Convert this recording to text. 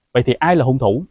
vậy thì ai là hung thủ